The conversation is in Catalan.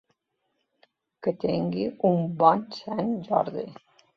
Que tingui un bon Sant Jordi.